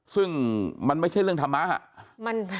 ซึ่งมันไม่ใช่เรื่องธรรมะ